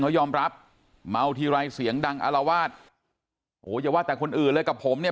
เขายอมรับเมาทีไรเสียงดังอารวาสโอ้โหอย่าว่าแต่คนอื่นเลยกับผมเนี่ย